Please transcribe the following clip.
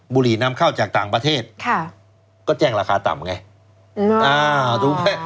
บุหรี่นำเข้าจากต่างประเทศก็แจ้งราคาต่ำไง